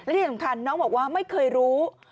ที่สำคัญน้องบอกว่าไม่เคยรู้